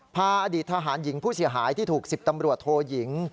พาอดีตทหารหญิงผู้เสียหายที่ถูก๑๐ตำรวจโทยิง